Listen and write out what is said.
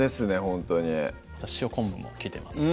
ほんとに塩昆布も利いてます